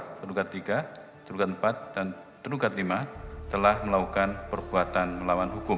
menyatakan terdekat satu terdekat dua terdekat tiga terdekat empat dan terdekat lima telah melakukan perbuatan melawan hukum